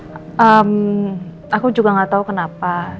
hmm aku juga gak tahu kenapa